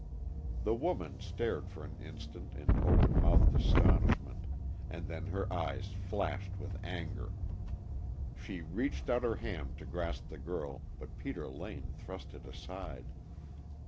The woman stared for an instant in open mouthed astonishment, and then her eyes flashed with anger. She reached out her hand to grasp the girl, but Peter Lane thrust it aside.